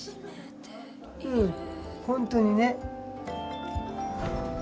うん本当にね。